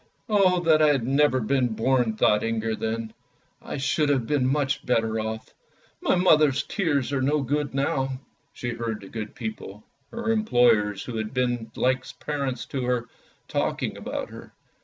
" "Oh, that I had never been born!" thought Inger then. " I should have been much better off. My mother's tears are no good now." She heard the good people, her employers, who had been like parents to her, talking about her.